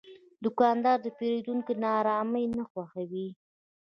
دوکاندار د پیرودونکي ناارامي نه خوښوي.